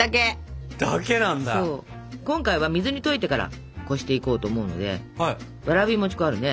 今回は水に溶いてからこしていこうと思うのでわらび餅粉あるね？